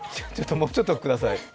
もうちょっとください。